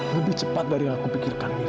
lebih cepat dari yang aku pikirkan